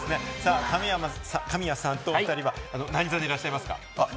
神谷さんと関さんは何座でいらっしゃいますか？